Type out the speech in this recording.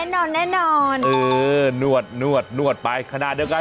นิดหน่อยนิดหน่อย